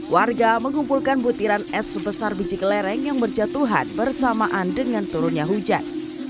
warga mengumpulkan butiran es sebesar biji kelereng yang berjatuhan bersamaan dengan turunnya hujan